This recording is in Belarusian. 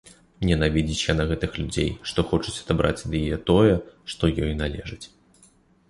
Ненавідзіць яна гэтых людзей, што хочуць адабраць ад яе тое, што ёй належыць.